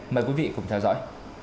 mời quý vị cùng theo dõi